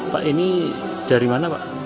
pak ini dari mana pak